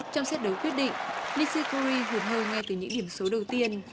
trong set đấu quyết định nishikori hượt hơi ngay từ những điểm số đầu tiên